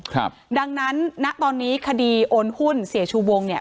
ครับดังนั้นณตอนนี้คดีโอนหุ้นเสียชูวงเนี่ย